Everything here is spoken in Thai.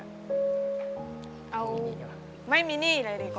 เอาไม่มีหนี้เลยดีกว่า